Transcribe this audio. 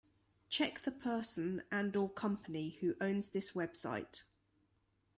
Check the person and/or company who owns this website.